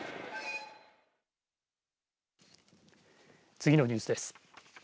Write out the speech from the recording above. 次のニュースです。